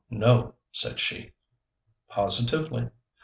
no,' said she. 'Positively.'